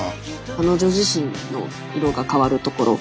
彼女自身の色が変わるところ。